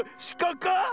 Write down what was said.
しかか？